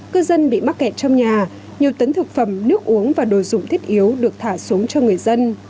cư dân bị mắc kẹt trong nhà nhiều tấn thực phẩm nước uống và đồ dụng thiết yếu được thả xuống cho người dân